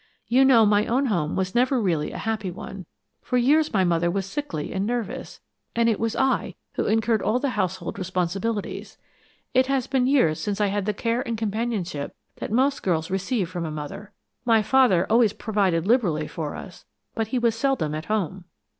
You know, my own home was never really a happy one. For years my mother was sickly and nervous, and it was I who incurred all the household responsibilities. It has been years since I had the care and companionship that most girls receive from a mother. My father always provided liberally for us, but, he was seldom at home."